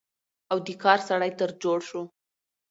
او د کار سړى تر جوړ شو،